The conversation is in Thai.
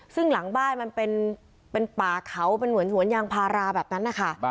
ซึ่งหลังบ้านมันเป็นป่าเขาเป็นเหมือนสวนยางพาราแบบนั้นนะคะ